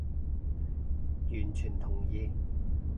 完全同意